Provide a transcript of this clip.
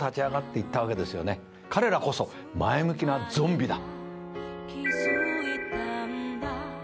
彼らこそ前向きなゾンビだ。